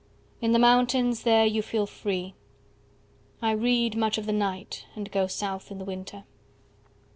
In the mountains, there you feel free. I read, much of the night, and go south in the winter.